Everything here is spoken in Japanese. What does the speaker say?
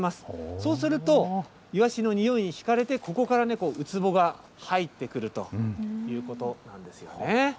そうすると、イワシのにおいに引かれて、ここからウツボが入ってくるということなんですよね。